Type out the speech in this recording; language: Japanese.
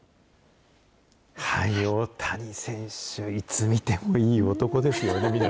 大谷選手、いつ見てもいい男ですよね。